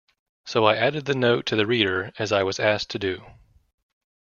So I added the note to the reader as I was asked to do.